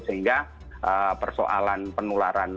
sehingga persoalan penularan